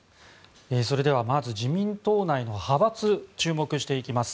それではまず自民党内の派閥注目していきます。